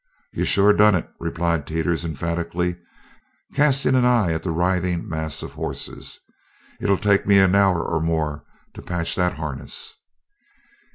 "Yo shore done it!" replied Teeters emphatically, casting an eye at the writhing mass of horses. "It'll take me an hour or more to patch that harness!"